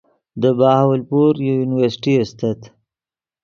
دے بہاولپور یو یونیورسٹی استت